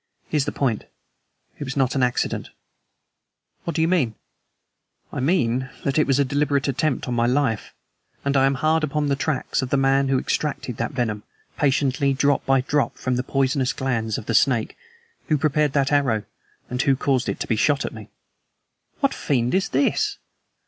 Here's the point. It was not an accident!" "What do you mean?" "I mean that it was a deliberate attempt on my life, and I am hard upon the tracks of the man who extracted that venom patiently, drop by drop from the poison glands of the snake, who prepared that arrow, and who caused it to be shot at me." "What fiend is this?"